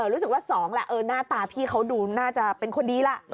รู้สึกว่าสองแหละหน้าตาพี่เขาดูน่าจะเป็นคนดีล่ะ